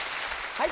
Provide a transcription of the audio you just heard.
はい。